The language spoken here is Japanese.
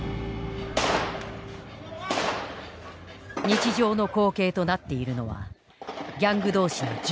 日常の光景となっているのはギャング同士の銃撃戦だ。